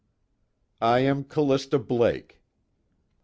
"I am Callista Blake."